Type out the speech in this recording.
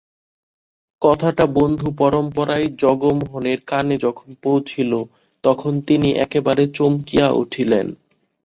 কথাটা বন্ধুপরম্পরায় জগমোহনের কানে যখন পৌঁছিল তখন তিনি একেবারে চমকিয়া উঠিলেন।